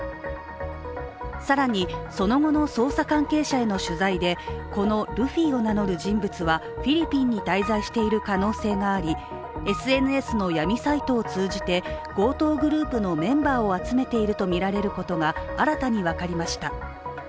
更にその後の捜査関係者への取材でこのルフィを名乗る人物はフィリピンに滞在している可能性がありＳＮＳの闇サイトを通じて強盗グループのメンバーを集めているとみられることが新たに分かりました。